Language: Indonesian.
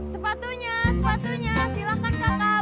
sepatunya sepatunya silakan kakak